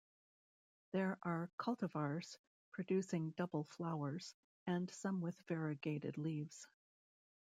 There are cultivars producing double flowers, and some with variegated leaves.